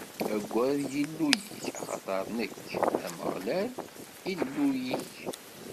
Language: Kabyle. Aggad Illu-yik, axaṭer nekk, d Ameɣlal, Illu-yik.